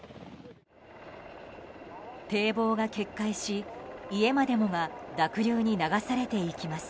堤防が決壊し、家までもが濁流に流されていきます。